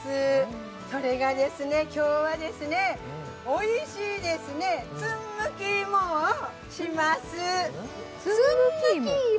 それが今日はですね、おいしい、つんむき芋をします。